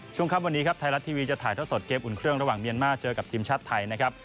ช่วงค่ำวันนี้ครับไทยรัฐทีวีจะถ่ายเท่าสดเกมอุ่นเครื่องระหว่างเมียนมาร์เจอกับทีมชาติไทยนะครับ